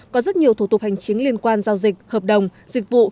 có rất nhiều thủ tục hành chính liên quan giao dịch hợp đồng dịch vụ